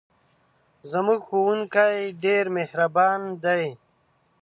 زموږ ښوونکی ډېر مهربان دی.